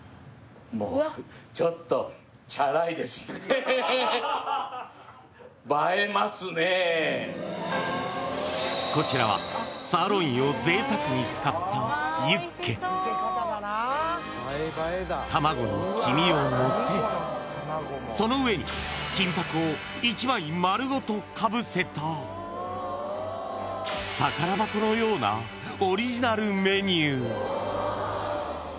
もうちょっとこちらはサーロインを贅沢に使ったユッケ卵の黄身をのせその上に金箔を１枚丸ごとかぶせた宝箱のようなオリジナルメニュー